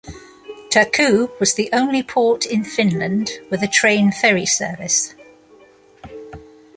Turku was the only port in Finland with a train ferry service.